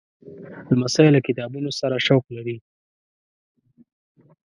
لمسی له کتابونو سره شوق لري.